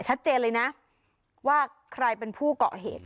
ชัดเจนเลยนะว่าใครเป็นผู้เกาะเหตุ